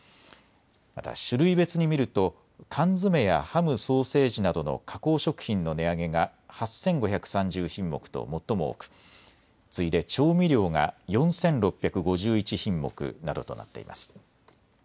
また種類別に見ると缶詰やハム・ソーセージなどの加工食品の値上げが８５３０品目と最も多く次いで調味料が４６５１品目などとなっています。